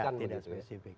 iya tidak spesifik